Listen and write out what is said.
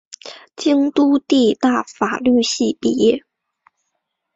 京都帝大法律系毕业。